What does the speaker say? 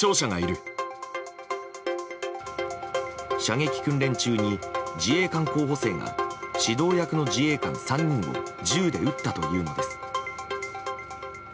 射撃訓練中に、自衛官候補生が指導役の自衛隊員３人を銃で撃ったというのです。